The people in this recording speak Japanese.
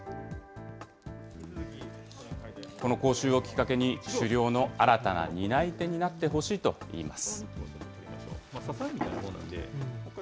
この講習をきっかけに狩猟の新たな担い手になってほしいといいます。